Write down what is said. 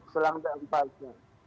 selang berapa jam